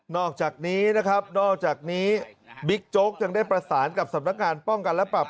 อกจากนี้นะครับนอกจากนี้บิ๊กโจ๊กยังได้ประสานกับสำนักงานป้องกันและปรับ